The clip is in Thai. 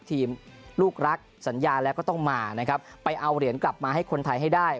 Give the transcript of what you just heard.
ลูกรักสัญญาแล้วก็ต้องมานะครับไปเอาเหรียญกลับมาให้คนไทยให้ได้